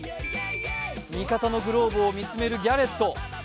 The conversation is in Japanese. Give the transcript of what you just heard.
味方のグローブを見つめるギャレット。